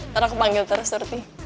taruh panggil terus surti